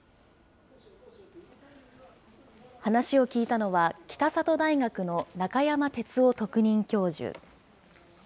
話を聞いたのは、北里大学の中山哲夫特任教授。